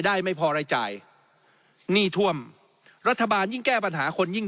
ไม่พอรายจ่ายหนี้ท่วมรัฐบาลยิ่งแก้ปัญหาคนยิ่ง